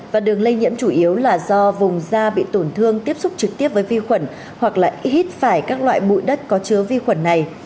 và đường lây nhiễm chủ yếu là do vùng da bị tổn thương tiếp xúc trực tiếp với vi khuẩn hoặc là ít phải các loại bụi đất có chứa vi khuẩn này